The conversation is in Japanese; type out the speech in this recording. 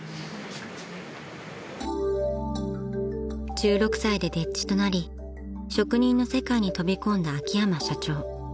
［１６歳で丁稚となり職人の世界に飛び込んだ秋山社長］